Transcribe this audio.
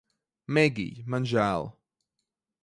Megij, man žēl